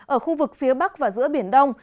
ở khu vực phía bắc và giữa biển đông